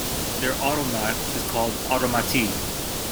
Their automat is called an "automatiek".